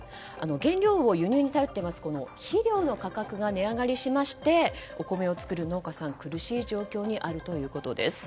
原料を輸入に頼っていて肥料の価格が値上がりしましてお米を作る農家さんは苦しい状況にあるということです。